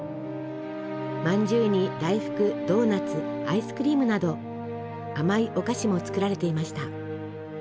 まんじゅうに大福ドーナツアイスクリームなど甘いお菓子も作られていました。